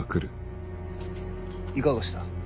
いかがした。